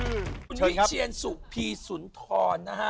คุณวิเทียนสุภีศุนย์ถอนนะฮะ